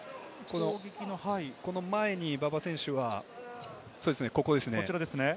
この前に馬場選手は、ここですね。